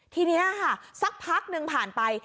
ทีนี้ค่ะสักพักหนึ่งผ่านไป